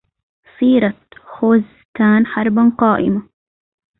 صيرت خوزستان حربا قائما